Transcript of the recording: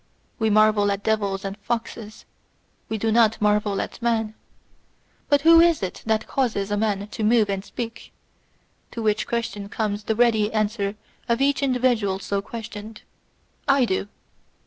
We marvel at devils and foxes : we do not marvel at man. But who is it that causes a man to move and to speak ? to which question comes the ready answer of each individual so questioned, '/do.'